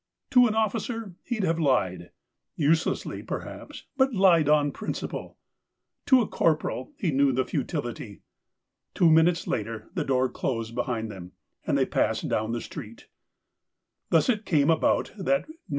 To an officer he'd have lied, uselessly, perhaps, but lied on principle : to a corporal he knew the futility. Two minutes later the door closed behind them, and they passed down the street. Thus it came about that No.